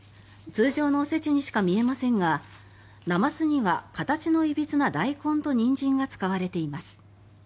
通常のお節にしか見えませんがなますには形のいびつなダイコンとニンジンが使われています。